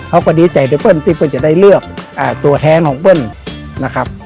เขาก็ดีใจที่เพิ่งเต๋อได้ได้ที่ก็ได้เลือกตัวแท้ของเพิ่งนะครับ